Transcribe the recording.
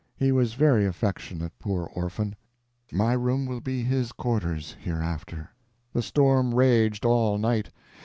He was very affectionate, poor orphan! My room will be his quarters hereafter. The storm raged all night.